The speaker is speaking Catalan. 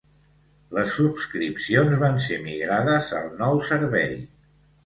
Les subscripcions van ser migrades al nou servei.